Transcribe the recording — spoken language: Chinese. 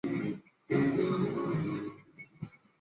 作决定的人还是你自己